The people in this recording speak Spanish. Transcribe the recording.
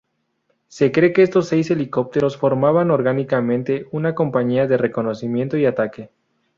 Se cree que estos seis helicópteros formaban orgánicamente una Compañía de reconocimiento y ataque.